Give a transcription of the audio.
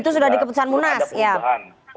itu sudah dikeputusan munas ya